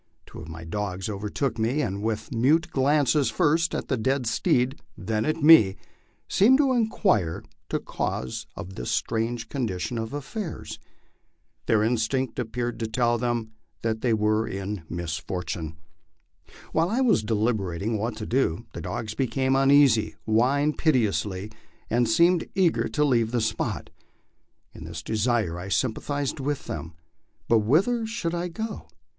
Two of my dogs overtook me, and with mute glances first at the dead steed, then at me, seemed to inquire the cause of this strange condition of affairs. Their instinct appeared to tell them that we were in misfortune. While I was deliberating what to do, the dogs became uneasy, whined piteously, and seemed eager tc leave the spot. In this desire I sympathized with them, but whither should 1 go?